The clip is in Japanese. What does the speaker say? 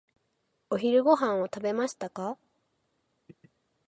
お昼ご飯を食べましたか？